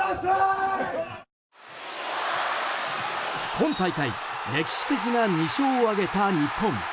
今大会、歴史的な２勝を挙げた日本。